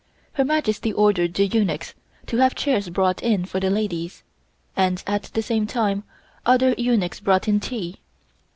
Her Majesty ordered the eunuchs to have chairs brought in for the ladies, and at the same time other eunuchs brought in tea.